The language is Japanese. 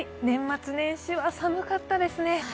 年末年始は寒かったですね。